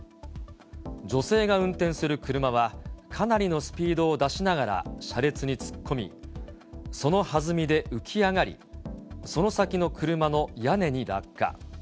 女性が運転する車は、かなりのスピードを出しながら車列に突っ込み、そのはずみで浮き上がり、その先の車の屋根に落下。